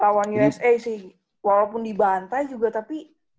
kawan usa sih walaupun di banta juga tapi